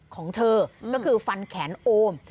ของเธอก็คือฟันแขนโอม